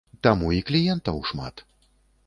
Таму і кліентаў шмат.